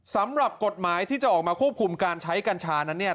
สำหรับกฎหมายที่จะออกมาควบคุมการใช้กัญชานั้นเนี่ย